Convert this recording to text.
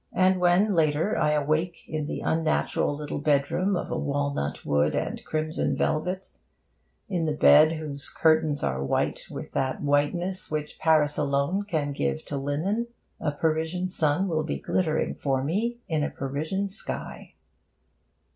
And when, later, I awake in the unnatural little bedroom of walnut wood and crimson velvet, in the bed whose curtains are white with that whiteness which Paris alone can give to linen, a Parisian sun will be glittering for me in a Parisian sky.